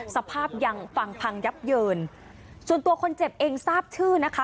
สภาพยังฟังพังยับเยินส่วนตัวคนเจ็บเองทราบชื่อนะคะ